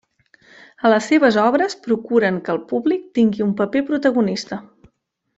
A les seves obres procuren que el públic tingui un paper protagonista.